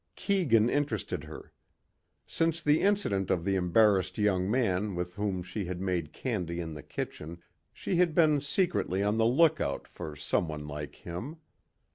Keegan interested her. Since the incident of the embarrassed young man with whom she had made candy in the kitchen, she had been secretly on the lookout for someone like him.